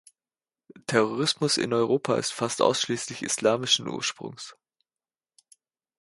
Terrorismus in Europa ist fast ausschließlich islamischen Ursprungs.